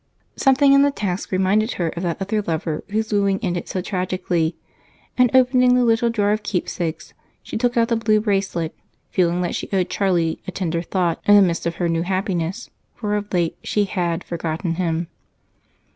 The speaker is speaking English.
Something in the task reminded her of that other lover whose wooing ended so tragically, and opening a little drawer of keepsakes, she took out the blue bracelet, feeling that she owed Charlie a tender thought in the midst of her new happiness, for of late she had forgotten him.